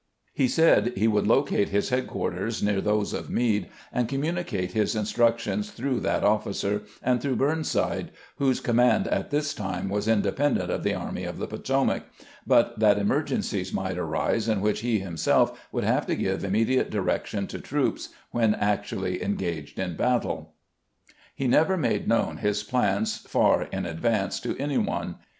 He said he would locate his headquarters near those of Meade, and communicate his instructions through that officer, and through Burnside, whose com mand at this time was independent of the Army of the Potomac ; but that emergencies might arise in which he himseK would have to give immediate direction to troops when actually engaged in battle. He never made known his plans far in advance to any one.